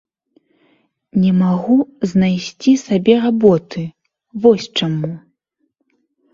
Не магу знайсці сабе работы, вось чаму.